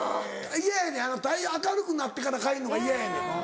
嫌やねんあの明るくなってから帰るのが嫌やねん。